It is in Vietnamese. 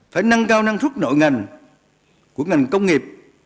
phải nâng cao năng suất nội ngành của ngành công nghiệp